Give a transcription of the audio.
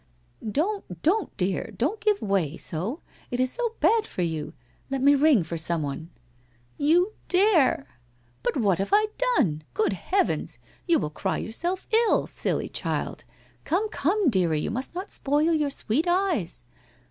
' Don't, don't, dear, don't give way so, it is so bad for vou. Let me ring for someone.' ' You dare !'' But what have I done ? Gpod heavens ! You will cry yourself ill ! Silly child ! Come, come, dearie, you must not spoil your sweet eyes